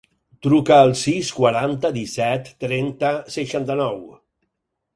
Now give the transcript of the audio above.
Truca al sis, quaranta, disset, trenta, seixanta-nou.